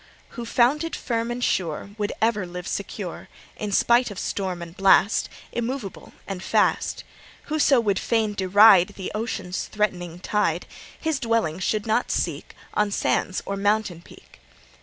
Who founded firm and sure Would ever live secure, In spite of storm and blast Immovable and fast; Whoso would fain deride The ocean's threatening tide; His dwelling should not seek On sands or mountain peak.